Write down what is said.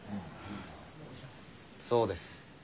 そうです。